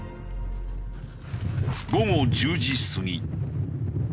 午後１０時過ぎ。